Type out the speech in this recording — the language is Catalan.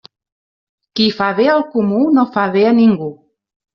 Qui fa bé al comú no fa bé a ningú.